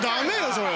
それ。